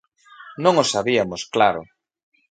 Non o sabiamos, claro.